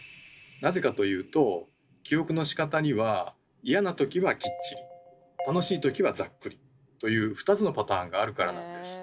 なぜかというと記憶のしかたには嫌な時は「きっちり」楽しい時は「ざっくり」という２つのパターンがあるからなんです。